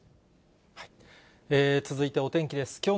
続いてお天気です。